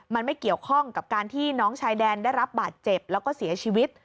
มันไม่เกี่ยวข้องกับการที่น้องชายแดนได้รับบาดเจ็บแล้วก็เสียชีวิต